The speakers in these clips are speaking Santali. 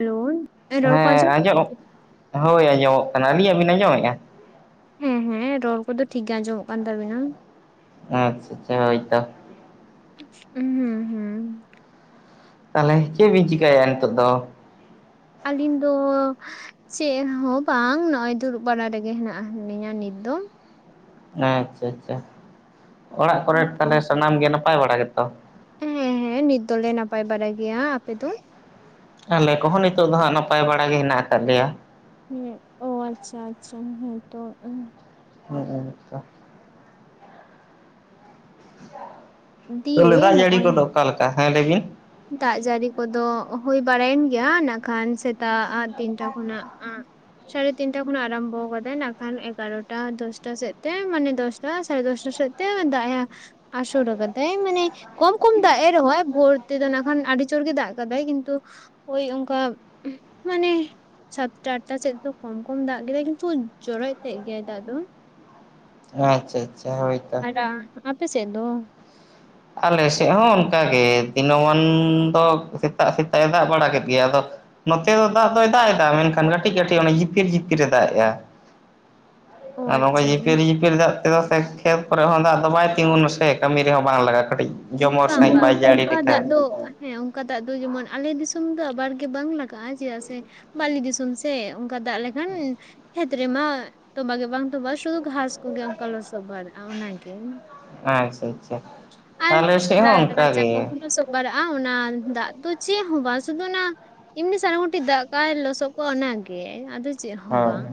ᱦᱮᱞᱳ ᱨᱚᱲ ᱠᱚ ᱦᱮᱸ ᱟᱸᱡᱚᱢ ᱟᱸᱡᱚᱱᱚᱜ ᱦᱳᱭ ᱟᱸᱡᱚᱢᱚᱜ ᱠᱟᱱᱟ ᱟᱹᱞᱤᱧᱟᱜ ᱵᱤᱱ ᱟᱸᱡᱚᱢᱮᱫᱼᱟ ᱦᱮᱸ ᱦᱮᱸ ᱨᱚᱲ ᱠᱚᱫᱚ ᱴᱷᱤᱠ ᱜᱮ ᱟᱸᱡᱚᱢᱚᱜ ᱠᱟᱱ ᱛᱟᱵᱤᱱᱟ ᱟᱪᱪᱷᱟ ᱟᱪᱪᱷᱟ ᱦᱳᱭ ᱛᱚ ᱦᱩᱸ ᱦᱩᱸ ᱦᱩᱸ ᱛᱟᱦᱚᱞᱮ ᱪᱮᱜ ᱵᱤᱱ ᱪᱤᱠᱟᱭᱟ ᱱᱤᱛᱚᱜ ᱫᱚ ᱟᱹᱞᱤᱧ ᱫᱚ ᱪᱮᱫᱦᱚᱸ ᱵᱟᱝ ᱱᱚᱜᱼᱚᱭ ᱫᱩᱲᱩᱵ ᱵᱟᱲᱟ ᱨᱮᱜᱮ ᱦᱮᱱᱟᱜ ᱞᱤᱧᱟ ᱱᱤᱛ ᱫᱚ ᱟᱪᱪᱷᱟ ᱟᱪᱪᱷᱟ ᱚᱲᱟᱜ ᱠᱚᱨᱮ ᱛᱟᱦᱚᱞᱮ ᱥᱟᱱᱟᱢ ᱜᱮ ᱱᱟᱯᱟᱭ ᱵᱟᱲᱟ ᱜᱮᱛᱚ ᱦᱮᱸ ᱦᱮᱸ ᱱᱤᱛ ᱫᱚᱞᱮ ᱱᱟᱯᱟᱭ ᱵᱟᱲᱟ ᱜᱮᱭᱟ ᱟᱯᱮ ᱫᱚ ᱟᱞᱮ ᱠᱚᱦᱚᱸ ᱱᱤᱛᱚᱜ ᱫᱚ ᱦᱟᱸᱜ ᱱᱟᱯᱟᱭ ᱵᱟᱲᱟ ᱜᱮ ᱦᱮᱱᱟᱜ ᱟᱠᱟᱫ ᱞᱮᱭᱟ ᱦᱮᱸ ᱚ ᱟᱪᱪᱷᱟ ᱟᱪᱪᱷᱟ ᱦᱮᱸᱛᱚ [inaudible] ᱛᱚᱞᱮ ᱫᱤᱭᱮ ᱫᱟᱜ ᱡᱟᱹᱲᱤ ᱱᱚᱜᱼᱚᱭ ᱠᱚᱫᱚ ᱚᱠᱟ ᱞᱮᱠᱟ ᱦᱮᱸ ᱞᱟᱹᱭ ᱵᱤᱱ ᱫᱟᱜ ᱡᱟᱹᱲᱤ ᱠᱚᱫᱚ ᱦᱩᱭ ᱵᱟᱲᱟᱭᱮᱱ ᱜᱮᱭᱟ ᱱᱟᱠᱷᱟᱱ ᱥᱮᱛᱟᱜ ᱛᱤᱱ ᱴᱟ ᱠᱷᱚᱱᱟᱜ ᱥᱟᱲᱮ ᱛᱤᱱᱴᱟ ᱠᱷᱚᱱᱟᱜ ᱟᱨᱟᱢᱵᱚ ᱠᱟᱫᱟᱭ ᱱᱟᱜ ᱠᱷᱟᱱ ᱮᱜᱟᱨᱚᱴᱟ ᱫᱚᱥᱴᱟ ᱥᱮᱫ ᱛᱮ ᱢᱟᱱᱮ ᱫᱚᱥᱴᱟ ᱥᱟᱲᱮ ᱫᱚᱥᱴᱟ ᱥᱮᱫ ᱫᱟᱜ ᱮ ᱟᱥᱚᱨ ᱟᱠᱟᱫᱟᱭ ᱢᱟᱱᱮ ᱠᱚᱢ ᱠᱚᱢ ᱫᱟᱜ ᱮ ᱨᱚᱦᱚᱭ ᱵᱷᱳᱨ ᱛᱮᱫᱚ ᱠᱷᱟᱱ ᱟᱹᱰᱤ ᱡᱳᱨ ᱜᱮ ᱫᱟᱜ ᱠᱟᱫᱟᱭ ᱠᱤᱱᱛᱩ ᱦᱳᱭ ᱚᱱᱠᱟ ᱢᱟᱱᱮ ᱥᱟᱛᱴᱟ ᱟᱴᱴᱟ ᱥᱮᱫ ᱫᱚ ᱠᱚᱢ ᱠᱚᱢ ᱫᱟᱜ ᱠᱮᱫᱟᱭ ᱠᱤᱱᱛᱩ ᱡᱚᱨᱚᱡ ᱛᱮᱜ ᱜᱮᱭᱟᱭ ᱫᱟᱜ ᱫᱚ ᱟᱪᱪᱷᱟ ᱟᱪᱪᱷᱟ ᱦᱳᱭ ᱟᱲᱟ ᱟᱯᱮ ᱥᱮᱫ ᱫᱚ ᱟᱞᱮ ᱥᱮᱫ ᱦᱚᱸ ᱚᱱᱠᱟᱜᱮ ᱫᱤᱱᱟᱹᱢᱟᱱ ᱫᱚ ᱥᱮᱛᱟᱜ ᱥᱮᱛᱟᱜ ᱮ ᱫᱟᱜ ᱵᱟᱲᱟ ᱠᱮᱫ ᱜᱮᱭᱟ ᱟᱫᱚ ᱱᱚᱛᱮ ᱫᱚ ᱫᱟᱜ ᱫᱚᱭ ᱫᱟᱜ ᱮᱫᱟ ᱢᱮᱱᱠᱷᱟᱱ ᱠᱟᱹᱴᱤᱡ ᱠᱟᱹᱴᱤᱡ ᱡᱤᱯᱤᱨ ᱡᱤᱯᱤᱨ ᱮ ᱫᱟᱜ ᱮᱜᱼᱟ ᱚ ᱟᱨ ᱱᱚᱜᱼᱚᱭ ᱟᱪᱪᱷᱟ ᱡᱷᱤᱯᱤᱨ ᱡᱷᱤᱯᱤᱨ ᱵᱤᱨ ᱫᱟᱜ ᱛᱮᱫᱚ ᱥᱮ ᱠᱷᱮᱛ ᱠᱚᱨᱮ ᱦᱚᱸ ᱫᱟᱜ ᱫᱚ ᱵᱟᱭ ᱛᱤᱸᱜᱩ ᱱᱟᱥᱮ ᱠᱟᱹᱢᱤ ᱨᱮᱦᱚᱸ ᱵᱟᱝ ᱞᱟᱜᱟᱜᱼᱟ ᱠᱟᱹᱴᱤᱡ ᱦᱮᱸ ᱡᱚᱢᱚᱨ ᱵᱟᱝ ᱥᱟᱺᱦᱤᱡ ᱵᱟᱝ ᱵᱟᱭ ᱡᱟᱹᱲᱤ ᱚᱱᱠᱟ ᱫᱟᱜ ᱞᱮᱠᱷᱟᱱ ᱫᱚ ᱦᱮᱸ ᱚᱱᱠᱟ ᱫᱟᱜ ᱫᱚ ᱡᱮᱢᱚᱱ ᱟᱞᱮ ᱫᱤᱥᱚᱢ ᱫᱚ ᱟᱵᱟᱨ ᱜᱮ ᱵᱟᱝ ᱞᱟᱜᱟᱜᱼᱟ ᱪᱮᱫᱟᱜ ᱥᱮ ᱵᱟᱹᱞᱤ ᱫᱤᱥᱚᱢ ᱥᱮ ᱚᱱᱠᱟ ᱫᱟᱜ ᱞᱮᱠᱷᱟᱱ ᱠᱷᱮᱛ ᱨᱮᱢᱟ ᱛᱚᱵᱟᱜ ᱜᱮ ᱵᱟᱝ ᱛᱚᱵᱟ ᱥᱩᱫᱷᱩ ᱜᱷᱟᱥ ᱠᱚᱜᱮ ᱚᱱᱠᱟ ᱞᱚᱥᱚᱫ ᱵᱟᱲᱟᱜᱼᱟ ᱚᱱᱟᱜᱮ ᱟᱪᱪᱷᱟ ᱟᱪᱪᱷᱟ ᱟᱨ ᱟᱞᱮ ᱥᱮᱫ ᱦᱚᱸ ᱚᱱᱠᱟ ᱨᱟᱪᱟ ᱜᱮ ᱠᱚᱦᱚᱸ ᱞᱚᱥᱚᱜᱵᱟᱨᱟᱜᱼᱟ ᱚᱱᱟ ᱫᱟᱜ ᱫᱚ ᱪᱮᱫ ᱦᱚᱸ ᱵᱟᱝ ᱥᱩᱫᱩ ᱚᱱᱟ ᱮᱢᱱᱤ ᱥᱟᱨᱟᱝ ᱜᱚᱴᱤᱡ ᱫᱟᱜ ᱠᱟᱜᱼᱟᱭ ᱞᱚᱥᱚᱫ ᱠᱟᱜ ᱚᱱᱟᱜᱮ ᱟᱫᱚ ᱪᱮᱫ ᱦᱚᱸ ᱵᱟᱝ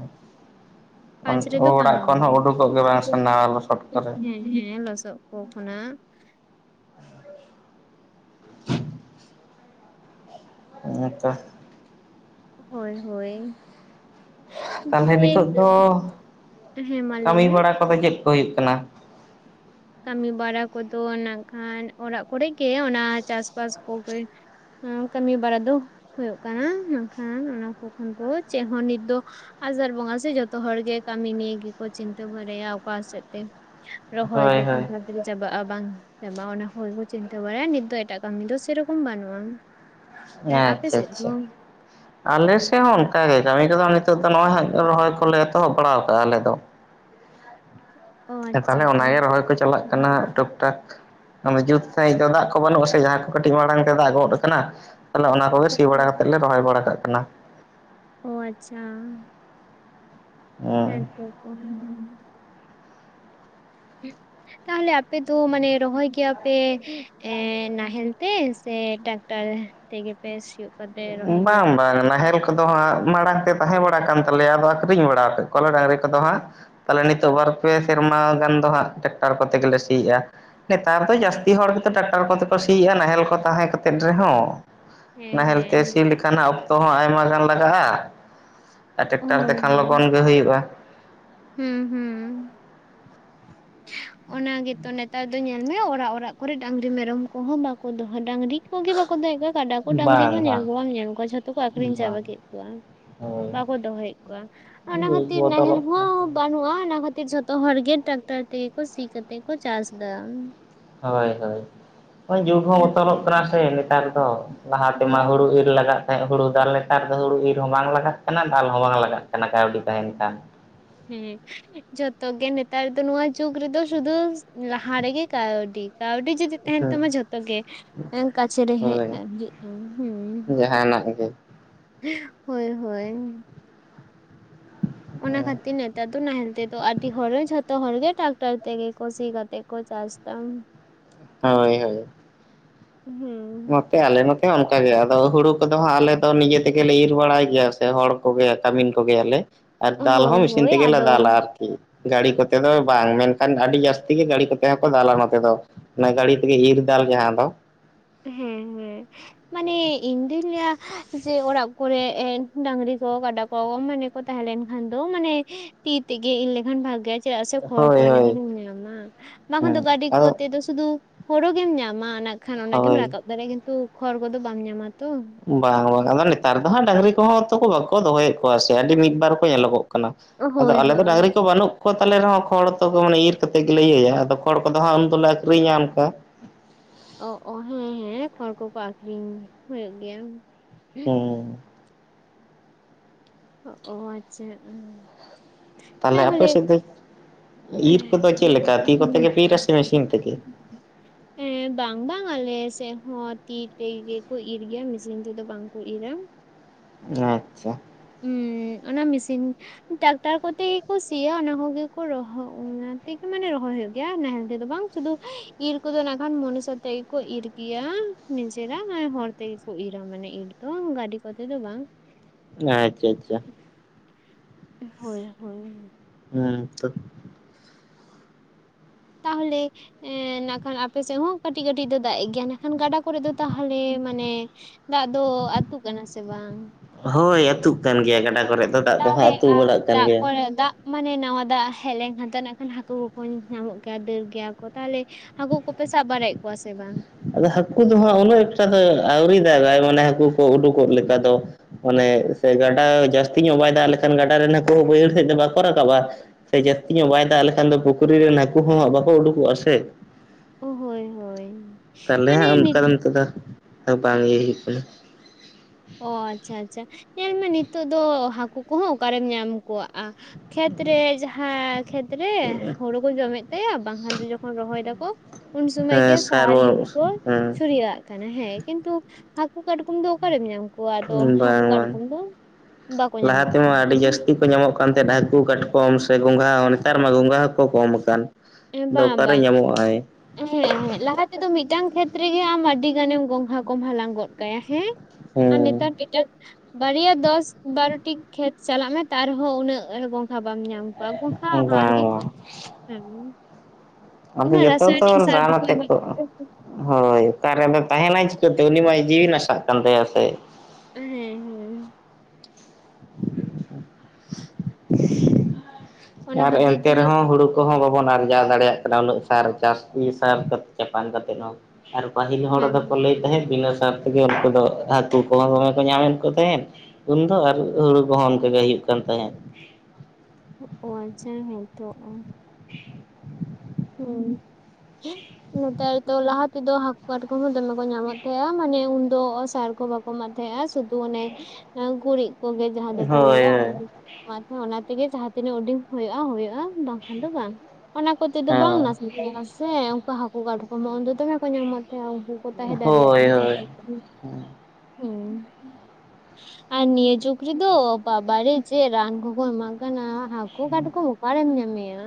ᱠᱟᱡᱽ ᱨᱮᱫᱚ ᱵᱟᱝ ᱚᱲᱟᱜ ᱠᱷᱚᱱ ᱞᱟᱜᱟᱜᱼᱟ᱾ ᱦᱚᱸ ᱩᱰᱩᱠᱚᱜ ᱜᱮ ᱵᱟᱝ ᱥᱟᱱᱟᱣᱟ ᱞᱚᱥᱚᱫ ᱠᱚᱨᱮ ᱦᱮᱸ ᱦᱮᱸ ᱞᱟᱥᱚᱫ ᱠᱚ ᱠᱷᱚᱱᱟᱜ [inaudible] ᱦᱮᱸ ᱛᱚ ᱦᱳᱭ ᱦᱳᱭ ᱛᱟᱦᱚᱞᱮ ᱫᱤᱭᱮ ᱱᱤᱛᱚᱜ ᱫᱚ ᱦᱮᱸ ᱢᱟ ᱞᱟᱹᱭ ᱠᱟᱹᱢᱤ ᱢᱮ ᱵᱟᱲᱟ ᱠᱚᱫᱚ ᱪᱮᱫ ᱠᱚ ᱦᱩᱭᱩᱜ ᱠᱟᱱᱟ ᱠᱟᱹᱢᱤ ᱵᱟᱲᱟ ᱠᱚᱫᱚ ᱱᱟᱜ ᱠᱷᱟᱱ ᱚᱲᱟᱜ ᱠᱚᱨᱮ ᱜᱮ ᱚᱱᱟ ᱪᱟᱥᱵᱟᱥ ᱠᱚᱜᱮ ᱠᱟᱹᱢᱤ ᱵᱟᱲᱟ ᱫᱚ ᱦᱩᱭᱩᱜ ᱠᱟᱱᱟ ᱢᱮᱱᱠᱷᱟᱱ ᱚᱱᱟ ᱠᱚ ᱠᱷᱚᱱ ᱫᱚ ᱪᱮᱫ ᱦᱚᱸ ᱱᱤᱛ ᱫᱚ ᱟᱥᱟᱨ ᱵᱚᱸᱜᱟ ᱥᱮ ᱡᱚᱛᱷᱚ ᱦᱚᱲ ᱜᱮ ᱠᱟᱹᱢᱤ ᱱᱤᱭᱮ ᱜᱮᱠᱚ ᱪᱤᱱᱛᱟᱹ ᱵᱲᱟᱭᱟ ᱚᱠᱟ ᱥᱮᱫ ᱛᱮ ᱨᱚᱦᱚᱭ ᱦᱳᱭ ᱞᱮᱠᱷᱟᱱ ᱦᱳᱭ [inaudible] ᱪᱟᱵᱟᱜᱼᱟ ᱵᱟᱝ ᱦᱮ ᱵᱟᱝ ᱚᱱᱟ ᱠᱚᱜᱮ ᱠᱚ ᱪᱤᱱᱛᱟᱹ ᱵᱟᱲᱟᱭᱟ ᱱᱤᱛ ᱫᱚ ᱮᱴᱟᱜ ᱠᱟᱹᱢᱤ ᱫᱚ ᱥᱮᱨᱚᱠᱚᱢ ᱵᱟᱹᱱᱩᱜᱼᱟ ᱦᱮᱸ ᱟᱯᱮ ᱟᱪᱪᱷᱟ ᱥᱮᱫ ᱫᱚ ᱟᱪᱪᱷᱟ ᱟᱞᱮ ᱥᱮᱫ ᱦᱚᱸ ᱚᱱᱠᱟᱜ ᱜᱮ ᱠᱟᱹᱢᱤ ᱠᱚᱫᱚ ᱱᱤᱛᱚᱜ ᱫᱚ ᱱᱚᱼᱦᱚᱭ ᱨᱚᱦᱚᱭ ᱠᱚᱞᱮ ᱮᱛᱚᱦᱚᱵ ᱵᱟᱲᱟᱣ ᱟᱠᱟᱜᱼᱟ ᱟᱞᱮ ᱫᱚ ᱚ ᱟᱪᱪᱷᱟ ᱛᱟᱦᱚᱞᱮ ᱚᱱᱟᱜᱮ ᱨᱚᱦᱚᱭ ᱠᱚ ᱪᱟᱞᱟᱜ ᱠᱟᱱᱟ ᱴᱩᱠ ᱴᱟᱠ ᱩᱱᱟᱹᱜ ᱡᱩᱛ ᱥᱟᱺᱦᱤᱡ ᱫᱚ ᱫᱟᱜ ᱠᱚ ᱵᱟᱹᱱᱩᱜ ᱟᱥᱮ ᱡᱟᱦᱟᱸ ᱠᱚ ᱠᱟᱹᱴᱤᱡ ᱢᱟᱲᱟᱝ ᱛᱮ ᱫᱟᱜ ᱜᱚᱫ ᱟᱠᱟᱱᱟ ᱛᱟᱦᱚᱞᱮ ᱚᱱᱟ ᱳᱭ ᱥᱤ ᱵᱟᱲᱟ ᱠᱟᱛᱮᱫ ᱞᱮ ᱨᱚᱦᱚᱭ ᱵᱟᱲᱟ ᱠᱟᱜ ᱠᱟᱱᱟ᱾ ᱳ ᱟᱪᱪᱷᱟ᱾ ᱦᱮᱸ ᱦᱩᱸ ᱛᱚ [unintelligible] [unintelligible] ᱛᱟᱦᱚᱞᱮ ᱟᱯᱮ ᱫᱚ ᱢᱟᱱᱮ ᱨᱚᱦᱚᱭ ᱜᱮᱭᱟ ᱯᱮ ᱮᱸ ᱱᱟᱦᱮᱞ ᱛᱮ ᱥᱮ ᱴᱟᱠᱴᱟᱨ ᱛᱮᱜᱮᱯᱮ ᱥᱤᱭᱳᱜ ᱠᱟᱛᱮ ᱨᱚᱦᱚᱭ ᱵᱟᱝ ᱜᱮᱭᱟᱯᱮ? ᱵᱟᱝ ᱱᱟᱦᱮᱞ ᱠᱚᱫᱚ ᱦᱟᱸᱜ ᱢᱟᱲᱟᱝ ᱛᱮ ᱛᱟᱦᱮᱸ ᱵᱟᱲᱟ ᱠᱟᱱ ᱛᱟᱞᱮᱭᱟ ᱟᱫᱚ ᱟᱹᱠᱷᱨᱤᱧ ᱵᱟᱲᱟ ᱟᱠᱟ ᱠᱚᱣᱟᱞᱮ ᱰᱟᱺᱝᱨᱤ ᱠᱚᱫᱚ ᱦᱟᱸᱜ ᱛᱟᱦᱚᱞᱮ ᱱᱤᱛᱚᱜ ᱵᱟᱨ ᱯᱮ ᱥᱮᱨᱢᱟ ᱜᱟᱱ ᱫᱚ ᱦᱟᱸᱜ ᱴᱟᱠᱴᱟᱨ ᱠᱚᱛᱮ ᱜᱮᱞᱮ ᱥᱤᱭᱮᱜᱼᱟ᱾ ᱱᱮᱛᱟᱨ ᱫᱚ ᱡᱟᱹᱥᱛᱤ ᱦᱚᱲ ᱜᱮᱛᱚ ᱴᱟᱠᱴᱟᱨ ᱠᱚᱛᱮ ᱠᱚ ᱥᱤᱭᱮᱜᱼᱟ ᱱᱟᱦᱮᱞ ᱠᱚ ᱛᱟᱦᱮᱸ ᱠᱟᱛᱮᱜ ᱨᱮᱦᱚᱸ ᱦᱮᱸ ᱦᱮᱸ ᱠᱷᱟᱱ ᱚᱠᱛᱚ ᱦᱚᱸ ᱟᱭᱢᱟ ᱜᱟᱱ ᱞᱟᱜᱟᱜᱼᱟ ᱟᱨ ᱴᱮᱠᱴᱟᱨ ᱦᱳᱭ ᱛᱮᱠᱷᱟᱱ ᱦᱳᱭ ᱞᱚᱜᱚᱱ ᱜᱮ ᱦᱩᱭᱩᱜᱼᱟ᱾ ᱦᱩᱸ ᱦᱩᱸ ᱚᱱᱟ ᱜᱮᱛᱚ ᱱᱮᱛᱟᱨ ᱫᱚ ᱧᱮᱞ ᱢᱮ ᱚᱨᱟᱜ ᱚᱨᱟᱜ ᱠᱚᱨᱮ ᱰᱟᱺᱝᱨᱤ ᱢᱮᱨᱚᱢ ᱠᱚᱦᱚᱸ ᱵᱟᱠᱚ ᱫᱚᱦᱚ ᱰᱟᱹᱝᱨᱤ ᱠᱚᱜᱮ ᱵᱟᱠᱚ ᱫᱚᱦᱚᱭᱮᱫ ᱠᱚᱣᱟ ᱠᱟᱰᱟ ᱠᱚ ᱰᱟᱹᱝᱨᱤ ᱠᱚ ᱵᱟᱝ ᱧᱮᱞ ᱵᱟᱝ ᱠᱚ ᱵᱟᱢ ᱧᱮᱞ ᱠᱚᱣᱟ ᱡᱷᱚᱛᱚ ᱠᱚ ᱟᱠᱷᱨᱤᱸᱧ ᱵᱟᱝ ᱪᱟᱵᱟ ᱠᱮᱜ ᱠᱚᱣᱟ᱾ ᱦᱳᱭ ᱵᱟᱠᱚ ᱫᱚᱦᱚᱭᱮᱫ ᱠᱚᱣᱟ, ᱚᱱᱟ ᱡᱩᱜᱽ ᱠᱷᱟᱹᱛᱤᱨ ᱱᱟᱦᱮᱞ ᱵᱚᱫᱚᱞᱚᱜ ᱠᱟᱱᱟ ᱦᱚᱸ ᱥᱮ ᱵᱟᱹᱱᱩᱜᱼᱟ ᱚᱱᱟ ᱠᱷᱟᱹᱛᱤᱨ ᱡᱷᱚ ᱛᱚ ᱦᱚᱲᱜᱮ ᱴᱨᱟᱠᱴᱟᱨ ᱛᱮᱜᱮ ᱠᱚ ᱥᱤ ᱠᱟᱛᱮᱜ ᱠᱚ ᱪᱟᱥ ᱫᱟ᱾ ᱦᱳᱭ ᱦᱳᱭ ᱡᱩᱜᱽ ᱦᱚᱸ ᱵᱚᱛᱚᱞᱚᱜ ᱠᱟᱱᱟ ᱥᱮ ᱱᱮᱛᱟᱨ ᱫᱚ ᱞᱟᱦᱟ ᱛᱮᱢᱟ ᱦᱳᱭ ᱦᱩᱲᱩ ᱤᱨ ᱞᱟᱜᱟᱜ ᱠ ᱦᱩᱲᱩ ᱫᱟᱞ ᱞᱮᱛᱟᱨ ᱫᱚ ᱦᱩᱲᱩ ᱤᱨ ᱦᱚᱸ ᱵᱟᱝ ᱞᱟᱜᱟᱜ ᱠᱟᱱᱟ ᱫᱟᱞ ᱦᱚᱸ ᱵᱟᱝ ᱞᱟᱜᱟᱜ ᱠᱟᱱᱟ ᱠᱟᱣᱰᱤ ᱛᱟᱦᱮᱱ ᱠᱷᱟᱱ᱾ ᱦᱮᱸ ᱡᱚᱛᱚ ᱜᱮ ᱱᱮᱛᱟᱨ ᱫᱚ ᱱᱚᱣᱟ ᱡᱩᱜᱽ ᱨᱮᱫᱚ ᱥᱩᱫᱩ ᱞᱟᱦᱟ ᱨᱮᱜᱮ ᱠᱟᱣᱰᱤ, ᱠᱟᱣᱰᱤ ᱡᱩᱫᱤ ᱛᱟᱦᱮᱱ ᱛᱟᱢᱟ ᱡᱷᱚᱛᱚ ᱜᱮ ᱦᱳᱭ [unintelligible] ᱡᱟᱦᱟᱱᱟᱜ ᱜᱮ ᱦᱳᱭ ᱦᱳᱭ᱾ ᱚᱱᱟ ᱠᱷᱟᱹᱛᱤᱨ ᱛᱟ ᱫᱚ ᱱᱟᱦᱮᱞ ᱛᱮᱫᱚ ᱟᱹᱰᱤ ᱦᱚᱲ ᱡᱷᱚᱛᱚ ᱦᱚᱲ ᱜᱮ ᱴᱟᱠᱴᱟᱨ ᱛᱮᱜᱮ ᱠᱚ ᱥᱤ ᱠᱟᱛᱮᱜ ᱠᱚ ᱪᱟᱥᱫᱟ᱾ ᱦᱳᱭ ᱦᱳᱭ ᱦᱩᱸ ᱱᱚᱛᱮ ᱟᱞᱮ ᱱᱚᱛᱮ ᱚᱱᱠᱟ ᱜᱮ ᱟᱫᱚ ᱦᱩᱲᱩ ᱠᱚᱫᱚ ᱦᱟᱸᱜ ᱟᱞᱮ ᱫᱚ ᱱᱤᱡᱮ ᱛᱮᱜᱮᱞᱮ ᱤᱨ ᱵᱟᱲᱟᱭ ᱜᱮᱭᱟ ᱥᱮ ᱦᱚᱲ ᱠᱚᱜᱮᱭᱟ ᱠᱟᱹᱢᱤᱱ ᱠᱚᱜᱮᱭᱟᱞᱮ ᱟᱨ ᱫᱟᱞ ᱦᱳᱭ ᱦᱚᱸ ᱢᱤᱥᱤᱱ ᱦᱳᱭ ᱛᱮᱜᱮᱞᱮ ᱟᱫᱚ ᱫᱟᱞᱟ ᱟᱨᱠᱤ ᱜᱟᱹᱲᱤ ᱠᱚᱛᱮ ᱫᱚ ᱵᱟᱝ ᱢᱮᱱᱠᱷᱟᱱ ᱟᱹᱰᱤ ᱡᱟᱹᱥᱛᱤ ᱜᱮ ᱜᱟᱹᱲᱤ ᱠᱚᱛᱮ ᱦᱚᱸᱠᱚ ᱫᱟᱞᱟ ᱱᱚᱛᱮ ᱫᱚ᱾ ᱚᱱᱟ ᱜᱟᱰᱤ ᱛᱮᱜᱮ ᱤᱨ ᱫᱟᱞ ᱡᱟᱦᱟᱸ ᱫᱚ ᱦᱩᱸᱦᱩᱸ ᱢᱟᱱᱮ ᱤᱱ ᱫᱩᱧ ᱞᱮᱭᱟ ᱡᱮ ᱚᱲᱟᱜ ᱠᱚᱨᱮ ᱮ ᱰᱟᱝᱨᱤ ᱠᱚ ᱟᱰᱟ ᱠᱚ ᱢᱟᱱᱮ ᱛᱟᱦᱮᱸ ᱞᱮᱱ ᱠᱷᱟᱱ ᱫᱚ ᱢᱟᱱᱮ ᱛᱤ ᱛᱮᱜᱮ ᱤᱨ ᱞᱮᱠᱷᱟᱱ ᱵᱷᱟᱜᱮᱜᱼᱟ ᱪᱮᱫᱟᱜ ᱥᱮ ᱠᱷᱚᱲ ᱠᱚ ᱦᱳᱭ ᱦᱳᱭ ᱮᱸᱰᱮᱠᱷᱟᱱᱮᱢ ᱧᱟᱢᱟ ᱵᱟᱠᱷᱟᱱ ᱦᱮᱸ ᱫᱚ ᱜᱟᱹᱰᱤ ᱠᱚ ᱟᱫᱚ ᱟᱛᱮ ᱫᱚ ᱥᱩᱫᱩ ᱦᱳᱲᱳ ᱜᱮᱢ ᱧᱟᱢᱟ ᱱᱟᱜ ᱠᱷᱟᱱ ᱚᱱᱟ ᱜᱮᱢ ᱦᱳᱭ ᱨᱟᱠᱟᱵ ᱫᱟᱲᱮᱭᱟᱜᱼᱟ, ᱠᱤᱱᱛᱩ ᱠᱷᱚᱲ ᱠᱚᱫᱚ ᱵᱟᱢ ᱧᱟᱢᱟ ᱛᱚ ᱵᱟᱝ ᱵᱟᱝ ᱟᱫᱚ ᱱᱤᱛᱟᱨ ᱫᱚ ᱦᱟᱜ ᱰᱟᱺᱝᱨᱤ ᱠᱚᱦᱚᱸ ᱛᱚ ᱠᱚ ᱵᱟᱠᱚ ᱫᱚᱦᱚᱭᱮᱫ ᱠᱚᱣᱟ ᱥᱮ ᱟᱹᱰᱤ ᱢᱤᱫ ᱵᱟᱨ ᱠᱚ ᱧᱮᱞᱚᱜᱚᱜ ᱠᱟᱱᱟ ᱟᱫᱚ ᱦᱳᱭ ᱟᱞᱮ ᱦᱳᱭ ᱫᱚ ᱚᱱ ᱰᱟᱹᱟᱝᱨᱤ ᱠᱚ ᱵᱟᱹᱱᱩᱜ ᱠᱚ ᱛᱟᱞᱮ ᱨᱮᱦᱚᱸ ᱠᱷᱚᱲ ᱫᱚ ᱢᱟᱱᱮ ᱤᱨ ᱠᱟᱛᱮᱫ ᱜᱮᱞᱮ ᱤᱭᱟᱹᱭᱟ ᱟᱫᱚ ᱠᱷᱚᱲ ᱠᱚᱫᱚ ᱦᱟᱸᱜ ᱩᱱ ᱫᱚᱞᱮ ᱟᱠᱠᱷᱨᱤᱧᱟ ᱚᱱᱠᱟ ᱚ ᱚ ᱦᱮᱸ ᱦᱮᱸ ᱠᱷᱚᱲ ᱠᱚᱠᱚ ᱟᱠᱷᱨᱤᱧ ᱦᱩᱭᱩᱜ ᱜᱮᱭᱟ᱾ ᱦᱩᱸ ᱚᱸᱜ ᱟᱪᱪᱷᱟ ᱦᱚᱜᱚᱭ ᱛᱟᱦᱞᱮ ᱟᱯᱮ ᱥᱮᱫ ᱫᱚ ᱤᱨ ᱠᱚᱫᱚ ᱪᱮᱫ ᱞᱮᱠᱟ ᱛᱤ ᱠᱚᱛᱮᱜᱮ ᱯᱮ ᱤᱨ ᱟᱥᱮ ᱢᱮᱥᱤᱱ ᱛᱮᱜᱮ? [inaudible] ᱦᱮᱸ ᱵᱟᱝ ᱵᱟᱝ ᱟᱞᱮ ᱥᱮᱫ ᱦᱚᱸ ᱛᱤ ᱛᱮᱜᱮᱠᱩ ᱤᱨ ᱜᱮᱭᱟ ᱢᱮᱥᱤᱱ ᱛᱮᱫᱚ ᱵᱟᱝ ᱠᱚ ᱤᱨᱟ᱾ ᱦᱮ ᱟᱪᱪᱷᱟ ᱩ ᱚᱱᱟ ᱢᱮᱥᱤᱱ ᱴᱟᱠᱴᱟᱨ ᱠᱚᱛᱮᱜᱮᱠᱚ ᱥᱤᱭᱟ ᱚᱱᱟ ᱠᱚᱜᱮᱠᱚ ᱨᱚᱦᱚ [unintelligible] ᱛᱮᱜᱮ ᱢᱟᱱᱮ ᱨᱚᱦᱚᱭ ᱦᱳᱭᱳᱜ ᱜᱮᱭᱟ ᱱᱟᱦᱮᱞ ᱛᱮᱫᱚ ᱵᱟᱝ ᱥᱩᱫᱩ ᱤᱨ ᱠᱚᱫᱚ ᱱᱟᱸᱜ ᱠᱷᱟᱱ ᱢᱚᱱᱤᱥ ᱟᱛᱮ ᱜᱮᱠᱚ ᱤᱨ ᱜᱮᱭᱟ ᱱᱤᱡᱮᱨᱟᱜ ᱦᱚᱲ ᱛᱮᱜᱮ ᱠᱚ ᱤᱨᱟ ᱢᱟᱱᱮ ᱤᱨ ᱛᱚᱝ ᱜᱟᱹᱰᱤ ᱠᱚᱛᱮ ᱫᱚ ᱵᱟᱝ ᱤᱱᱟᱭ ᱟᱪᱷᱟ ᱟᱪᱷᱟ ᱦᱳᱭ ᱦᱳᱭ ᱦᱩᱸ ᱛᱚ ᱛᱟᱦᱚᱞᱮ ᱮᱸ ᱱᱟᱠᱷᱟᱱ ᱟᱯᱮ ᱥᱮᱫ ᱦᱚᱸ ᱠᱟᱹᱴᱤᱡ ᱠᱟᱹᱴᱤᱡ ᱫᱚ ᱫᱟᱜ ᱮ ᱜᱮᱭᱟ ᱱᱟᱠᱷᱟᱱ ᱜᱟᱰᱟ ᱠᱚᱨᱮ ᱫᱚ ᱛᱟᱦᱚᱞᱮ ᱢᱟᱱᱮ ᱫᱟᱜ ᱫᱚ ᱟᱹᱛᱩ ᱠᱟᱱᱟ ᱥᱮ ᱵᱟᱝ ᱦᱳᱭ ᱟᱹᱛᱩᱜ ᱠᱟᱱ ᱜᱮᱭᱟ ᱜᱟᱰᱟ ᱠᱚᱨᱮᱫ ᱫᱚ ᱫᱟᱜ ᱫᱚ ᱛᱟᱦᱚᱞᱮ ᱦᱟᱸᱜ ᱟᱹᱛᱩ ᱟᱨ ᱵᱟᱲᱟᱜ ᱠᱟᱱ ᱫᱟᱜ ᱜᱮᱭᱟ ᱠᱚᱨᱮ ᱫᱟᱜ ᱢᱟᱱᱮ ᱱᱟᱣᱟ ᱫᱟᱜ ᱦᱮᱡ ᱞᱮᱱᱠᱷᱟᱱ ᱛᱚ ᱱᱟᱜ ᱠᱷᱟᱱ ᱦᱟᱹᱠᱳ ᱠᱚᱠᱚ ᱧᱟᱢᱚᱜ ᱜᱮᱭᱟ ᱫᱟᱹᱲ ᱜᱮᱭᱟ ᱠᱚ ᱛᱟᱦᱚᱞᱮ ᱦᱟᱹᱠᱳ ᱠᱚᱯᱮ ᱥᱟᱵ ᱵᱟᱲᱟᱭᱮᱫ ᱠᱚᱣᱟ ᱥᱮ ᱵᱟᱝ ᱟᱫᱚ ᱦᱟᱹᱠᱩ ᱫᱚᱦᱟᱸᱜ ᱩᱱᱟᱹᱜ ᱴᱟᱜ ᱫᱚ ᱟᱹᱣᱨᱤ ᱫᱟᱜᱟᱭ ᱢᱟᱱᱮ ᱦᱟᱹᱠᱩ ᱠᱚ ᱩᱰᱩᱠᱚᱜ ᱞᱮᱠᱟ ᱫᱚ ᱢᱟᱱᱮ ᱥᱮ ᱜᱟᱰᱟ ᱡᱟᱹᱥᱛᱤ ᱧᱚᱜ ᱵᱟᱭ ᱫᱟᱜ ᱞᱮᱠᱷᱟᱱ ᱜᱟᱰᱟ ᱨᱮᱱ ᱦᱟᱹᱠᱩ ᱵᱟᱹᱭᱦᱟᱹᱲ ᱥᱮᱫ ᱫᱚ ᱵᱟᱠᱚ ᱨᱟᱠᱟᱵᱼᱟ ᱥᱮ ᱡᱟᱹᱥᱛᱤ ᱧᱚᱜ ᱵᱟᱭ ᱫᱟᱜ ᱞᱮᱠᱷᱟᱱ ᱫᱚ ᱯᱩᱠᱷᱨᱤ ᱨᱮᱱ ᱦᱟᱹᱠᱳ ᱦᱚᱸ ᱵᱟᱠᱚ ᱩᱰᱩᱠᱚᱜᱼᱟ ᱥᱮᱫ ᱳᱦᱳ ᱦᱳᱭ ᱦᱳᱭ ᱛᱟᱦᱚᱞᱮ ᱢᱟᱱᱮ ᱦᱟᱸᱜ ᱚᱱᱠᱟ ᱱᱤᱛ ᱫᱚ ᱱᱤᱛᱚᱜ ᱫᱚ ᱵᱟᱝ ᱤᱭᱟᱹ ᱦᱩᱭᱩᱜ ᱠᱟᱱᱟ ᱚ ᱟᱪᱪᱷᱟ ᱟᱪᱪᱷᱟ ᱧᱮᱞ ᱢᱮ ᱱᱤᱛᱚᱜ ᱫᱚ ᱦᱟᱹᱠᱩ ᱠᱚᱦᱚᱸ ᱚᱠᱟᱨᱮᱢ ᱧᱟᱢ ᱠᱚᱣᱟᱜᱼᱟ ᱠᱷᱮᱛᱨᱮ ᱡᱟᱦᱟᱸ ᱠᱷᱮᱛᱨᱮ ᱦᱩᱲᱳ ᱠᱚ ᱡᱚᱢᱮᱫ ᱛᱟᱭᱟ ᱵᱟᱝᱠᱷᱟᱱ ᱫᱚ ᱡᱚᱠᱷᱚᱱ ᱨᱚᱦᱚᱭ ᱫᱟᱠᱚ ᱩᱱ‌ ᱥᱩᱢᱟᱹᱭ ᱜᱮ ᱥᱟᱨ ᱤᱭᱩᱨᱤ ᱠᱚ ᱦᱮᱸ ᱪᱷᱩᱲᱤᱭᱼᱟᱜ ᱠᱟᱱᱟ ᱦᱮᱸ ᱠᱤᱱᱛᱩ ᱦᱟᱹᱠᱩ ᱠᱟᱴᱠᱚᱢ ᱫᱚ ᱚᱠᱟᱨᱮᱢ ᱧᱟᱢ ᱠᱚᱣᱟ ᱟᱫᱚ ᱦᱟᱹᱠᱩ ᱵᱟᱝ ᱵᱟᱝ ᱠᱟᱴᱠᱚᱢ ᱫᱚ ᱵᱟᱠᱚ ᱞᱟᱦᱟ ᱧᱟᱢᱚᱜ ᱛᱮᱢᱟ ᱠᱟᱱᱟ ᱟᱹᱰᱤ ᱡᱟᱹᱥᱛᱤ ᱠᱚ ᱧᱟᱢᱚᱜ ᱠᱟᱱ ᱛᱟᱦᱮᱸᱫ ᱦᱟᱹᱠᱩ ᱠᱟᱴᱠᱚᱢ ᱥᱮ ᱜᱚᱝᱜᱷᱟ ᱦᱚ ᱱᱮᱛᱟᱨ ᱢᱟ ᱜᱚᱸᱜᱷᱟ ᱦᱚᱸᱠᱚ ᱠᱚᱢ ᱟᱠᱟᱱ ᱮ ᱟᱫᱚ ᱵᱟᱝ ᱚᱠᱟᱨᱮ ᱵᱟᱝ ᱧᱟᱢᱚᱜᱼᱟᱭ ᱦᱮᱸ ᱦᱮᱸ ᱞᱟᱦᱟ ᱛᱮᱫᱚ ᱢᱤᱫᱴᱟᱝ ᱠᱷᱮᱛᱨᱮᱜᱮ ᱟᱢ ᱟᱹᱰᱤ ᱜᱟᱱᱮᱢ ᱜᱚᱝᱜᱷᱟ ᱠᱚᱢ ᱦᱟᱞᱟᱝ ᱜᱚᱫ ᱠᱟᱭᱟ ᱦᱮᱸ ᱦᱮᱸ ᱟᱨ ᱱᱮᱛᱟᱨ [unintelligible] ᱵᱟᱨᱭᱟ ᱫᱚᱥ ᱵᱟᱨᱚᱴᱤ ᱠᱷᱮᱛ ᱪᱟᱞᱟᱜ ᱢᱮ ᱛᱟ ᱨᱮᱦᱚᱸ ᱩᱱᱟᱹᱜ ᱜᱚᱝᱜᱷᱟ ᱵᱟᱢ ᱧᱟᱢ ᱵᱟᱝ ᱵᱟᱝ [unintelligible] ᱟᱫᱚ ᱩᱱᱟᱹᱜ ᱡᱷᱚᱛᱚ ᱛᱚ ᱨᱟᱥᱟᱭᱱᱤᱠ ᱥᱟᱨ ᱨᱟᱱ ᱠᱚᱠᱚ ᱟᱛᱮᱫ ᱮᱢᱟᱜ ᱠᱚ ᱦᱳᱭ ᱛᱟᱨᱮ ᱨᱮᱫᱚ ᱛᱟᱦᱮᱱᱟᱭ ᱪᱤᱠᱟᱹᱛᱮ ᱩᱱᱤ ᱢᱟ ᱡᱤᱣᱤ ᱱᱟᱥᱟᱜ ᱠᱟᱱ ᱛᱟᱭᱟ ᱥᱮ ᱦᱮᱸ ᱦᱮᱸ ᱚᱱᱟ ᱟᱨ ᱠᱷᱟᱹᱛᱤᱨ ᱮᱱᱛᱮ ᱛᱮᱜᱮ ᱨᱮᱦᱚᱸ ᱦᱩᱲᱩ ᱠᱚᱦᱚᱸ ᱵᱟᱵᱚᱱ ᱟᱨᱡᱟᱣ ᱫᱟᱲᱮᱭᱟᱜ ᱠᱟᱱᱟ ᱩᱱᱟᱹᱜ ᱥᱟᱨ ᱪᱟᱥ ᱥᱟᱨ ᱪᱟᱯᱟᱱ ᱠᱟᱛᱮ ᱦᱚᱸ ᱟᱨ ᱯᱟᱹᱦᱤᱞ ᱦᱚᱲ ᱦᱮᱸ ᱫᱚᱠᱚ ᱞᱟᱹᱭᱮᱫ ᱛᱟᱦᱮᱸᱫ ᱵᱤᱱᱟᱹ ᱥᱟᱨ ᱛᱮᱜᱮ ᱩᱱᱠᱩ ᱫᱚ ᱦᱟᱹᱠᱩ ᱠᱚᱦᱚᱸ ᱫᱚᱢᱮ ᱠᱚ ᱧᱟᱢᱮᱫ ᱠᱚ ᱛᱟᱦᱮᱸᱫ ᱩᱱᱫᱚ ᱟᱨ ᱦᱩᱲᱩ ᱠᱚᱦᱚᱸ ᱚᱱᱠᱟ ᱜᱮ ᱦᱩᱭᱩᱜ ᱠᱟᱱ ᱛᱟᱦᱮᱸᱫ [unintelligible] [inaudible] [unintelligible] ᱦᱮᱸ ᱱᱮᱛᱟᱨ ᱫᱚ ᱞᱟᱦᱟ ᱛᱮᱫᱚ ᱦᱟᱹᱠᱩ ᱠᱟᱴᱠᱚᱢ ᱦᱚᱸ ᱫᱚᱢᱮ ᱠᱚ ᱧᱟᱢᱚᱜ ᱛᱟᱦᱮᱸᱜᱼᱟ ᱢᱟᱱᱮ ᱩᱱᱫᱚᱥᱟᱨ ᱠᱚ ᱵᱟᱠᱚ ᱠᱚ ᱢᱟ ᱛᱟᱦᱮᱸᱜᱼᱟ ᱥᱩᱫᱩ ᱚᱱᱮ ᱜᱩᱨᱤᱡ ᱠᱚᱜᱮ ᱡᱟᱦᱟᱸ ᱦᱳᱭ ᱫᱚᱠᱚ ᱞᱟᱹᱭᱟ ᱦᱳᱭ ᱚᱱᱟ ᱛᱮᱜᱮ ᱡᱟᱦᱟᱸ ᱛᱤᱱᱟᱹᱜ ᱩᱰᱤᱝ ᱦᱩᱭᱩᱜᱼᱟ ᱦᱩᱭᱩᱜᱼᱟ ᱵᱟᱝᱠᱷᱟᱱ ᱫᱚ ᱵᱟᱝ ᱚᱱᱟ ᱠᱚ ᱛᱮᱫ ᱫᱚ ᱵᱟᱝ ᱦᱮᱸ ᱱᱟᱥᱮᱼᱟ ᱥᱮ ᱚᱱᱠᱟ ᱦᱟᱹᱠᱩ ᱠᱟᱴᱠᱚᱢ ᱦᱚ ᱩᱱ ᱫᱚᱢᱮ ᱠᱚ ᱧᱟᱢᱚᱜ ᱛᱟᱦᱮᱜ ᱫᱚᱠᱚ ᱛᱟᱦᱮᱸ ᱫᱟᱲᱮᱭᱟᱜ ᱦᱳᱭ ᱦᱳᱭ ᱛᱟᱦᱮᱸ ᱦᱮᱸ ᱟᱨ ᱱᱤᱭᱟ ᱡᱩᱜᱽ ᱨᱮᱫᱚ ᱵᱟᱵᱟᱨᱮ ᱪᱮ ᱨᱟᱱ ᱠᱚᱠᱚ ᱮᱢᱟᱜ ᱠᱟᱱᱟ ᱦᱟᱹᱠᱩ ᱠᱟᱴᱠᱚᱢ ᱚᱠᱟ ᱨᱮᱢ ᱧᱟᱢᱮᱭᱟ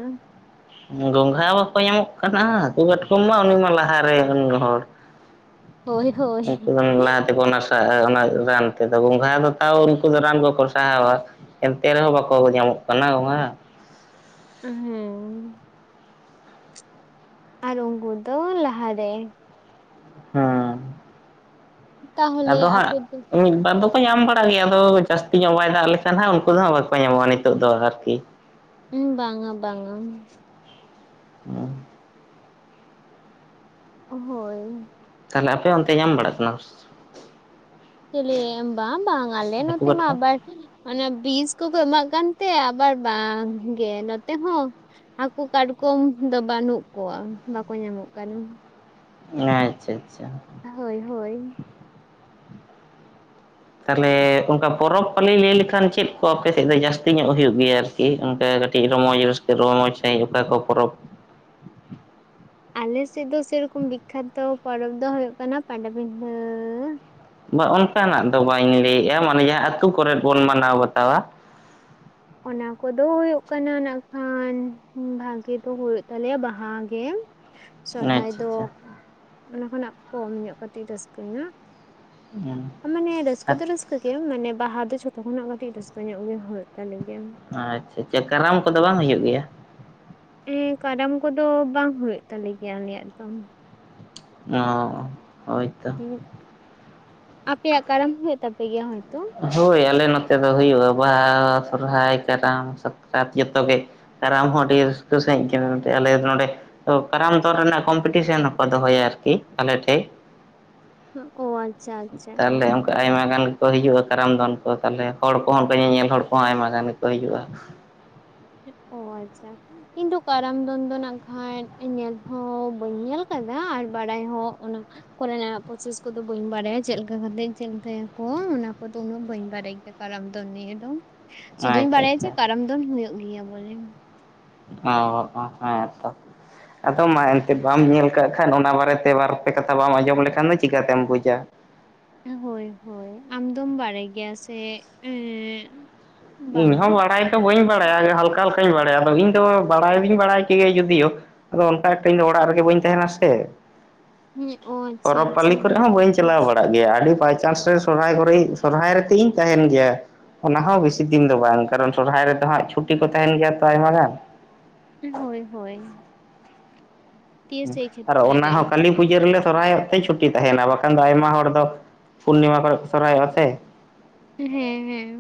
ᱜᱚᱝᱜᱷᱟ ᱵᱟᱠᱚ ᱧᱟᱢᱚᱜ ᱠᱟᱱᱟ ᱦᱟᱹᱠᱩ ᱠᱟᱴᱠᱚᱢ ᱢᱟ ᱩᱱᱤ ᱢᱟ ᱞᱟᱦᱟᱨᱮ ᱩᱱ ᱦᱚᱲ ᱦᱳᱭ ᱦᱳᱭ [unintelligible] ᱚᱱᱟ ᱨᱟᱱ ᱛᱮᱫᱚ ᱜᱚᱝᱜᱷᱟ ᱫᱚ ᱛᱟᱣ ᱩᱱᱠᱩ ᱫᱚ ᱨᱟᱱ ᱠᱚᱠᱚ ᱥᱟᱦᱟᱣᱟ ᱮᱱᱛᱮ ᱨᱮᱦᱚᱸ ᱵᱟᱠᱚ ᱧᱟᱢᱚᱜ ᱠᱟᱱᱟ ᱜᱚᱸᱜᱷᱟ ᱦᱮᱸ ᱟᱨ ᱩᱱᱠᱩ ᱫᱚ ᱞᱟᱦᱟᱨᱮ ᱦᱩᱸ ᱛᱟᱦᱚᱞᱮ ᱟᱫᱚ ᱟᱯᱮ ᱦᱟᱸᱜ ᱫᱚ ᱢᱤᱫ ᱵᱟᱨ ᱫᱚᱼᱼ ᱧᱟᱢ ᱵᱟᱲᱟᱜ ᱜᱮᱭᱟ ᱟᱫᱚ ᱡᱟᱹᱥᱛᱤ ᱧᱚᱜ ᱵᱟᱭ ᱫᱟᱜ ᱞᱮᱠᱷᱟᱱ ᱦᱟᱸᱜ ᱩᱱᱠᱩ ᱫᱚ ᱦᱟᱸᱜ ᱵᱟᱠᱚ ᱧᱟᱢᱚᱜᱼᱟ ᱱᱤᱛᱚᱜ ᱫᱚ ᱟᱨᱠᱤ ᱦᱩᱸ ᱵᱟᱝᱟ ᱵᱟᱝᱟ ᱦᱩᱸ ᱦᱳᱭ ᱛᱟᱦᱞᱮ ᱟᱯᱮ ᱚᱱᱛᱮ ᱧᱟᱢ ᱵᱟᱲᱟᱜ ᱠᱟᱱᱟ ᱥᱮᱼᱼ ᱪᱮᱞᱤ ᱵᱟᱝ ᱵᱟᱝ ᱟᱞᱮ ᱦᱟᱹᱠᱩ ᱱᱚᱛᱮ ᱢᱟ ᱠᱟᱴᱠᱚᱢ ᱵᱟᱨ ᱼᱼ ᱚᱱᱟ ᱵᱤᱥ ᱠᱚᱠᱚ ᱮᱢᱟᱜ ᱠᱟᱱᱛᱮ ᱟᱵᱟᱨ ᱵᱟᱝ ᱜᱮ ᱱᱚᱛᱮ ᱦᱚᱸᱼᱼ ᱦᱟᱹᱠᱩ ᱠᱟᱴᱠᱚᱢ ᱫᱚ ᱵᱟᱹᱱᱩᱜ ᱠᱚᱣᱟ ᱵᱟᱠᱚ ᱧᱟᱢᱚᱜ ᱠᱟᱱᱟ ᱟᱸᱪᱷᱟ ᱪᱷᱟ ᱦᱳᱭ ᱦᱳᱭ ᱛᱟᱞᱦᱮ ᱚᱱᱠᱟ ᱯᱚᱨᱚᱵᱽ ᱯᱟᱹᱞᱤ ᱞᱟᱹᱭ ᱞᱮᱠᱷᱟᱱ ᱪᱮᱫ ᱠᱚ ᱟᱯᱮ ᱥᱮᱫ ᱫᱚ ᱡᱟᱹᱥᱛᱤ ᱧᱚᱜ ᱦᱩᱭᱩᱜ ᱜᱮᱭᱟ ᱼᱼ ᱪᱮᱫ ᱚᱱᱠᱟ ᱠᱟᱹᱴᱤᱡᱽ ᱨᱚᱢᱚᱡᱽ ᱨᱟᱹᱥᱠᱟᱹ ᱨᱚᱢᱚᱡᱽ ᱥᱟᱺᱦᱤᱡ ᱚᱠᱟ ᱠᱚ ᱯᱚᱨᱚᱵᱽᱼᱼ ᱟᱞᱮ ᱥᱮᱫ ᱫᱚ ᱥᱮᱨᱚᱠᱚᱢ ᱵᱤᱠᱷᱟᱛᱚ ᱯᱚᱨᱚᱵᱽ ᱫᱚ ᱦᱩᱭᱩᱜ ᱠᱟᱱᱟ ᱯᱟᱴᱟ ᱵᱤᱸᱫᱷᱟᱹᱼᱼ ᱵᱟ ᱚᱱᱠᱟᱱᱟᱜ ᱫᱚ ᱵᱟᱹᱧ ᱞᱟᱹᱭᱮᱜᱼᱟ ᱢᱟᱱᱮ ᱡᱟᱦᱟᱸ ᱟᱹᱛᱩ ᱠᱚᱨᱮᱫ ᱵᱚᱱ ᱢᱟᱱᱟᱣ ᱵᱟᱛᱟᱣᱟ ᱚᱱᱟ ᱠᱚᱫᱚ ᱦᱩᱭᱩᱜ ᱠᱟᱱᱟ ᱱᱟᱜ ᱠᱷᱟᱱ ᱵᱷᱟᱹᱜᱤ ᱫᱚ ᱦᱩᱭᱩᱜ ᱛᱟᱞᱮᱭᱟ ᱵᱟᱦᱟ ᱜᱮ ᱥᱚᱨᱦᱟᱭ ᱟᱪᱪᱷᱟ ᱫᱚ ᱟᱪᱪᱷᱟ ᱚᱱᱟ ᱠᱷᱚᱱᱟᱜ ᱠᱚᱢ ᱧᱚᱜ ᱠᱟᱹᱴᱤᱡ ᱨᱟᱹᱥᱠᱟᱹ ᱧᱚᱜ ᱦᱩᱸ ᱢᱟᱱᱮ ᱨᱟᱹᱥᱠᱟᱹ ᱫᱚ ᱨᱟᱹᱥᱠᱟᱹ ᱜᱮ ᱢᱟᱱᱮ ᱵᱟᱦᱟ ᱫᱚ ᱡᱷᱚᱛᱚ ᱠᱷᱚᱱᱟᱜ ᱠᱟᱹᱴᱤᱡ ᱨᱟᱹᱥᱠᱟᱹ ᱧᱚᱜ ᱜᱮ ᱦᱩᱭᱩᱜ ᱛᱟᱞᱮ ᱜᱮᱭᱟ ᱟᱪᱪᱷᱟ ᱪᱷᱟ ᱠᱟᱨᱟᱢ ᱠᱚᱫᱚ ᱵᱟᱝ ᱦᱩᱭᱩᱜ ᱜᱮᱭᱟ? ᱩᱸ ᱠᱟᱨᱟᱢ ᱠᱚᱫᱚ ᱵᱟᱝ ᱦᱩᱭᱩᱜ ᱛᱟᱞᱮ ᱜᱮᱭᱟ ᱟᱞᱮᱭᱟᱜ ᱫᱚ ᱚ ᱦᱳᱭᱼᱼ [unintelligible] ᱟᱯᱮᱭᱟᱜ ᱠᱟᱨᱟᱢ ᱦᱩᱭᱩᱜ ᱛᱟᱯᱮ ᱜᱮᱭᱟ ᱦᱳᱭᱛᱚ? ᱦᱳᱭ ᱟᱞᱮ ᱱᱚᱛᱮ ᱫᱚ ᱦᱩᱭᱩᱜᱼᱟ ᱵᱟᱦᱟ, ᱥᱚᱨᱦᱟᱭ, ᱠᱟᱨᱟᱢ, ᱥᱟᱠᱨᱟᱛ ᱡᱚᱛᱚ ᱜᱮ ᱠᱟᱨᱟᱢ ᱦᱚᱸ ᱟᱹᱰᱤ ᱨᱟᱹᱥᱠᱟᱹ ᱥᱟᱺᱦᱤᱡ ᱜᱮ ᱱᱚᱸᱰᱮ ᱟᱞᱮ ᱱᱚᱸᱰᱮ ᱛᱚ ᱠᱟᱨᱟᱢ ᱫᱚᱱ ᱨᱮᱱᱟᱜ ᱠᱚᱢᱯᱤᱴᱤᱥᱚᱱ ᱦᱚᱸᱠᱚ ᱫᱚᱦᱚᱭᱟ ᱟᱨᱠᱤ ᱟᱞᱮ ᱴᱷᱮᱡ ᱚ ᱟᱪᱪᱷᱟ ᱟᱪᱪᱷᱟ ᱛᱟᱦᱞᱮ ᱚᱱᱠᱟ ᱟᱭᱢᱟ ᱜᱟᱱᱼᱼ ᱠᱚ ᱦᱤᱡᱩᱜᱼᱟ ᱠᱟᱨᱟᱢ ᱫᱚᱱ ᱠᱚ ᱛᱟᱞᱦᱮ ᱦᱚᱲ ᱠᱚᱦᱚᱸ [unintelligible] ᱧᱮᱧᱮᱞ ᱦᱚᱲ ᱠᱚᱦᱚᱸ ᱟᱭᱢᱟ ᱜᱟᱱ ᱜᱮᱠᱚ ᱦᱤᱡᱩᱜᱼᱟ ᱚ ᱟᱪᱪᱷᱟ ᱤᱧᱫᱚ ᱠᱟᱨᱟᱢ ᱫᱚᱱ ᱫᱚ ᱱᱟᱜ ᱜᱷᱟᱡᱽ ᱧᱮᱞ ᱦᱚᱸ ᱵᱟᱹᱧ ᱧᱮᱞ ᱠᱟᱫᱟ ᱟᱨ ᱵᱟᱰᱟᱭ ᱦᱚᱸ ᱚᱱᱟᱼᱼ ᱠᱚᱨᱮᱱᱟᱜ ᱯᱨᱚᱥᱮᱥ ᱠᱚᱫᱚ ᱵᱟᱹᱧ ᱵᱟᱰᱟᱭᱟ ᱪᱮᱫᱞᱮᱠᱟ ᱠᱟᱛᱮ ᱪᱮᱫᱞᱮᱠᱟᱭᱟ ᱠᱚ ᱚᱱᱟ ᱠᱚᱫᱚ ᱩᱱᱟᱹᱜ ᱵᱟᱹᱧ ᱵᱟᱰᱟᱭ ᱜᱮᱭᱟ ᱠᱟᱨᱟᱢ ᱫᱚ ᱱᱤᱭᱟᱹ ᱫᱚ ᱥᱩᱫᱩᱧ ᱟᱪᱪᱷᱟ ᱵᱟᱲᱟᱭᱟ ᱡᱮ ᱟᱪᱪᱷᱟ ᱠᱟᱨᱟᱢ ᱫᱚᱱ ᱦᱩᱭᱩᱜ ᱜᱮᱭᱟ ᱵᱚᱞᱮ ᱚᱻᱚ ᱦᱮᱸ ᱛᱚ ᱟᱫᱚ ᱢᱟ ᱮᱱᱛᱮᱫ ᱵᱟᱢ ᱧᱮᱞ ᱠᱟᱜ ᱠᱷᱟᱜ ᱚᱱᱟ ᱵᱟᱨᱮᱛᱮ ᱵᱟᱨ ᱯᱮ ᱠᱟᱛᱷᱟ ᱵᱟᱢ ᱟᱸᱡᱚᱢ ᱞᱮᱠᱷᱟᱱ ᱫᱚ ᱪᱤᱠᱟᱹᱛᱮᱢ ᱵᱩᱡᱟ ᱦᱳᱭ ᱦᱳᱭ ᱟᱢ ᱫᱚᱢ ᱵᱟᱲᱟᱭ ᱜᱮᱭᱟ ᱥᱮ ᱮᱸᱻ ᱤᱧ ᱦᱚᱸ ᱵᱟᱲᱟᱭ ᱫᱚ ᱵᱟᱹᱧ ᱵᱟᱲᱟᱭᱟ ᱦᱟᱞᱠᱟ ᱞᱮᱠᱟᱧ ᱵᱟᱲᱟᱭᱟ, ᱟᱫᱚ ᱤᱧ ᱫᱚ ᱵᱟᱲᱟᱭ ᱫᱚᱧ ᱵᱟᱲᱟᱭ ᱠᱮᱜᱮᱭᱟ ᱡᱩᱫᱤᱭᱳᱼᱼ ᱟᱫᱚ ᱚᱱᱠᱟ ᱮᱠᱴᱟ ᱤᱧ ᱫᱚ ᱚᱲᱟᱜ ᱨᱮᱜᱮ ᱵᱟᱹᱧ ᱛᱟᱦᱮᱱᱟ ᱥᱮ ᱦᱮᱸ ᱚ ᱟᱪᱪᱷᱟ ᱯᱚᱨᱚᱵᱽ ᱟᱪᱪᱷᱟ ᱯᱟᱹᱞᱤ ᱠᱚᱨᱮᱜ ᱦᱚᱸ ᱦᱮᱸᱛᱚ ᱵᱟᱹᱧ ᱪᱟᱞᱟᱣ ᱵᱟᱲᱟᱜ ᱜᱮᱭᱟ ᱟᱹᱰᱤ ᱵᱟᱭᱪᱟᱱᱥ ᱨᱮᱼᱼ ᱥᱚᱨᱦᱟᱭ ᱠᱚᱨᱮ ᱤᱧ ᱥᱚᱨᱦᱟᱭ ᱨᱮ ᱛᱮᱫ ᱤᱧ ᱛᱟᱦᱮᱱ ᱜᱮᱭᱟ ᱚᱱᱟ ᱦᱚᱸ ᱵᱤᱼᱼ ᱥᱤ ᱫᱤᱱ ᱫᱚ ᱵᱟᱝ ᱠᱟᱨᱚᱱ ᱥᱚᱨᱦᱟᱭ ᱨᱮᱫᱚ ᱦᱟᱸᱜ ᱪᱷᱩᱴᱤ ᱠᱚ ᱛᱟᱦᱮᱱ ᱜᱮᱭᱟ ᱛᱚ ᱟᱭᱢᱟ ᱜᱟᱱ ᱦᱳᱭ ᱦᱳᱭ ᱫᱤᱭᱮ ᱥᱮᱭ ᱟᱨ ᱠᱷᱮᱛᱨᱮ ᱚᱱᱟ ᱨᱮ ᱦᱚᱸ ᱠᱟᱹᱞᱤᱼᱼ ᱯᱩᱡᱟᱹ ᱨᱮᱞᱮ ᱥᱚᱨᱦᱟᱭᱚᱜ ᱛᱮ ᱪᱷᱩᱴᱤ ᱛᱟᱦᱮᱱᱟ ᱵᱟᱠᱷᱟᱱ ᱫᱚ ᱟᱭᱢᱟ ᱦᱚᱲ ᱫᱚ ᱯᱩᱨᱱᱤᱢᱟ ᱠᱚᱨᱮ ᱠᱚ ᱥᱚᱨᱦᱟᱭᱚᱜᱼᱟ ᱥᱮ ᱦᱮᱸ ᱦᱮᱸ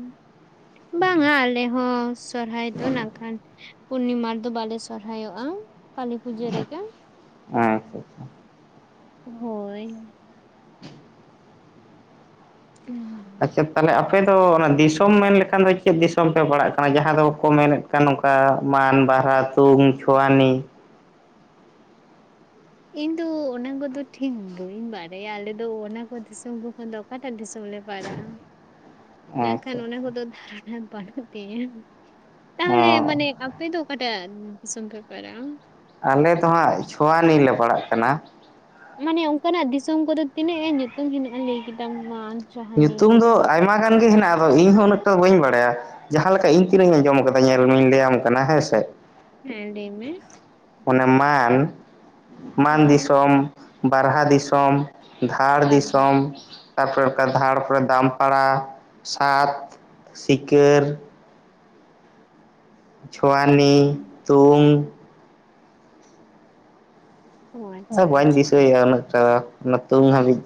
ᱵᱟᱝᱟ ᱟᱞᱮ ᱦᱚᱸ ᱥᱚᱨᱦᱟᱭ ᱫᱚ ᱱᱟᱜ ᱠᱷᱟᱱ ᱼᱼ ᱯᱩᱱᱱᱤᱢᱟ ᱨᱮᱫᱚ ᱵᱟᱞᱮ ᱥᱚᱨᱦᱟᱭᱚᱜᱼᱟ ᱠᱟᱞᱤ ᱯᱩᱡᱟᱹ ᱨᱮᱜᱮ ᱟᱪᱪᱷᱟ ᱟᱪᱪᱷᱟ ᱦᱳᱭ ᱦᱩᱸᱢ ᱟᱪᱪᱷᱟ ᱛᱟᱦᱞᱮ ᱟᱯᱮ ᱫᱚ ᱚᱱᱟ ᱫᱤᱥᱚᱢ ᱢᱮᱱ ᱞᱮᱠᱷᱟᱱ ᱫᱚ ᱪᱮᱫ ᱫᱤᱥᱚᱢ ᱯᱮ ᱯᱟᱲᱟᱜ ᱠᱟᱱᱟ ᱡᱟᱦᱟᱸ ᱫᱚᱠᱚ ᱢᱮᱱᱮᱫᱼᱼ ᱠᱟ ᱱᱚᱝᱠᱟ ᱢᱟᱱ ᱵᱟᱦᱨᱟ ᱛᱩᱝ ᱪᱷᱳᱣᱟᱱᱤ ᱤᱧ ᱫᱚ ᱚᱱᱟ ᱠᱚᱫᱚ ᱴᱷᱤᱠ ᱵᱟᱹᱧ ᱵᱟᱨᱟᱭᱟ᱾ ᱟᱞᱮ ᱫᱚ ᱚᱱᱟᱠᱚ ᱫᱤᱥᱚᱢ ᱠᱚ ᱠᱷᱚᱱ ᱫᱚ ᱚᱠᱟᱴᱟᱜ ᱫᱤᱥᱚᱢ ᱞᱮ ᱞᱟᱲᱟᱜ-ᱟ᱾ ᱱᱟᱜ ᱟᱪᱪᱷᱟ ᱠᱷᱟᱱ ᱚᱱᱟ ᱠᱚᱫᱚ ᱫᱦᱟᱨᱚᱱᱟ ᱵᱟᱹᱱᱩᱜ ᱛᱤᱧᱟ᱾ ᱚ ᱛᱟᱦᱚᱞᱮ ᱢᱟᱱᱮ ᱟᱯ ᱯᱮ ᱫᱚ ᱚᱠᱟᱴᱟᱜ ᱫᱤᱥᱚᱢ ᱯᱮ ᱯᱟᱨᱟᱜ-ᱟ᱾ ᱟᱞᱮ ᱫᱚ ᱦᱟᱸᱜ ᱪᱷᱳᱣᱟᱱᱤ ᱞᱮ ᱯᱟᱲᱟᱜ ᱠᱟᱱᱟ᱾ ᱢᱟᱱᱮ ᱚᱝᱠᱟᱱᱟᱜ ᱫᱤᱥᱚᱢ ᱠᱚᱫᱚ ᱛᱤᱱᱟᱹᱜ ᱮ ᱧᱩᱛᱩᱢ ᱦᱮᱱᱟᱜ-ᱟ? ᱞᱟᱹᱭ ᱠᱮᱫᱟᱢ ᱢᱟᱱ ᱧᱩᱛᱩᱢ ᱫᱚ ᱟᱭᱢᱟ ᱜᱟᱱ ᱜᱮ ᱦᱮᱱᱟᱜᱼᱟ ᱤᱧ ᱦᱚᱸ ᱩᱱᱟᱹᱜᱴᱟ ᱫᱚ ᱵᱟᱹᱧ ᱵᱟᱲᱟᱭᱟ᱾ ᱡᱟᱸᱦᱟ ᱞᱮᱠᱟ ᱤᱧ ᱛᱤᱱᱟᱹᱜ ᱤᱧ ᱟᱸᱡᱚᱢ ᱟᱠᱟᱫᱟ ᱧᱮᱞ ᱢᱮᱧ ᱞᱟᱹᱭᱟᱢ ᱠᱟᱱᱟ ᱦᱮᱸ ᱥᱮ᱾ ᱦᱮᱸ ᱞᱟᱹᱭ ᱢᱮ᱾ ᱢᱟᱱᱮ ᱢᱟᱱ, ᱢᱟᱱ ᱦᱳᱭ ᱫᱤᱥᱚᱢ, ᱵᱟᱨᱦᱟ ᱫᱤᱥᱚᱢ᱾ ᱫᱷᱟᱲ ᱵᱟᱨ ᱫᱤᱥᱚᱢ ᱛᱟ ᱯᱚᱨᱮ ᱫᱷᱟᱲ ᱯᱚᱨᱮ ᱫᱟᱢᱯᱟᱲᱟ, ᱥᱟᱛ, ᱥᱤᱠᱟᱹᱨ ᱪᱷᱳᱣᱟᱱᱤ, ᱛᱩᱝ᱾ ᱚ ᱟᱪᱪᱷᱟ ᱟᱫᱚ ᱵᱟᱹᱧ ᱟᱪᱪᱷᱟ ᱫᱤᱥᱟᱹᱭᱮ-ᱟ ᱩᱱᱟᱹᱜ ᱴᱟ ᱫᱚ ᱚᱱᱟ ᱛᱩᱝ ᱦᱟᱹᱵᱤᱡ